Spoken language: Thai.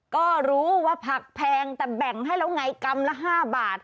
ก็รู้ว่าผักแพงแต่แบ่งให้แล้วไงกรัมละ๕บาท